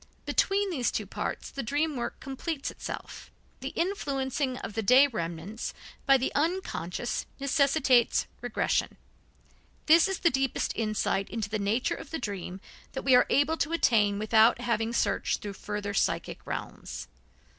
Between these two parts the dream work completes itself. The influencing of the day remnants by the unconscious necessitates regression. This is the deepest insight into the nature of the dream that we are able to attain without having searched through further psychic realms.